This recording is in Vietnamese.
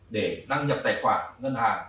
để năng nhập tài khoản ngân hàng